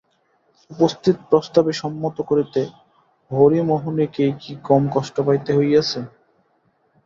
উপস্থিত প্রস্তাবে সম্মত করিতে হরিমোহিনীকেই কি কম কষ্ট পাইতে হইয়াছে!